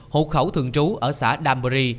hộ khẩu thường trú ở xã đam bờ ri